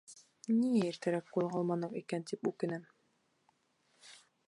Ниңә иртәрәк ҡуҙғалманыҡ икән тип үкенәм.